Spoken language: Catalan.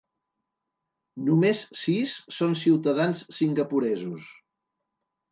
Només sis són ciutadans singapuresos.